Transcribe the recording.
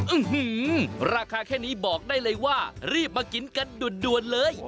ราคาแค่นี้บอกได้เลยว่ารีบมากินกันด่วนเลย